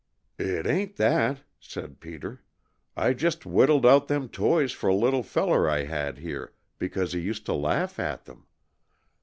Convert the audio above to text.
"It ain't that," said Peter. "I just whittled out them toys for a little feller I had here, because he used to laugh at them.